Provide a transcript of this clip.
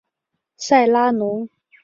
塞拉农。